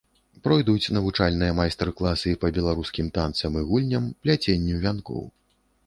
Пройдуць навучальныя майстар-класы па беларускім танцам і гульням, пляценню вянкоў.